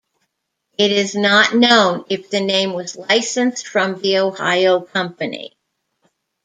It is not known if the name was licensed from the Ohio company.